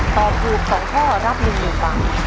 ตอบถูก๒ข้อรับ๑๐๐๐บาท